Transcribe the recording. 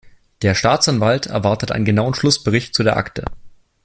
Der Staatsanwalt erwartet einen genauen Schlussbericht zu der Akte.